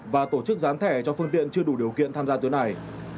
và tổ chức dán thẻ cho phương tiện chưa đủ điều kiện tham gia tuyến này